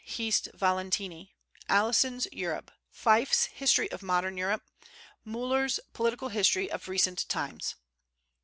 Hist. Valentini; Alison's Europe; Fyffe's History of Modern Europe; Müller's Political History of Recent Times.